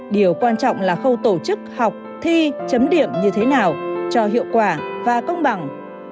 điều quan trọng là khâu tổ chức học thi chấm điểm như thế nào cho hiệu quả và công bằng